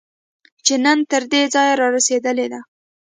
چې نن تر دې ځایه رارسېدلې ده